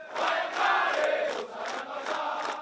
bayangkare busan dan bosa